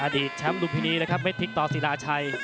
อดีตแชมป์ดุพินีนะครับเม็ดพลิกตอสิราชัย